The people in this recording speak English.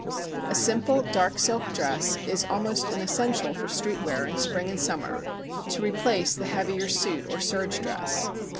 A simple dark silk dress is almost an essential for street wear in spring and summer, to replace the heavier suit or serge dress.